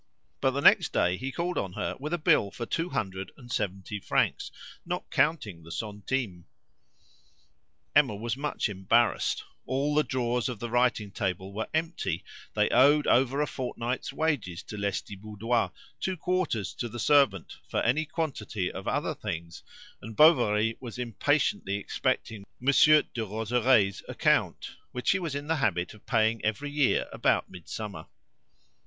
But the next day he called on her with a bill for two hundred and seventy francs, not counting the centimes. Emma was much embarrassed; all the drawers of the writing table were empty; they owed over a fortnight's wages to Lestiboudois, two quarters to the servant, for any quantity of other things, and Bovary was impatiently expecting Monsieur Derozeray's account, which he was in the habit of paying every year about Midsummer.